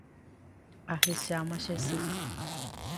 Ahecháma che sy